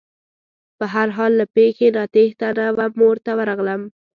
په هر حال له پېښې نه تېښته نه وه مور ته ورغلم.